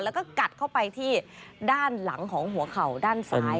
แล้วก็กัดเข้าไปที่ด้านหลังของหัวเข่าด้านซ้าย